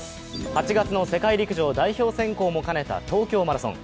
８月の世界陸上代表選考も兼ねた東京マラソン。